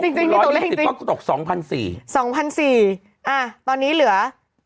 จริงจริงตกเลขจริงตกสองพันสี่สองพันสี่อ่ะตอนนี้เหลือ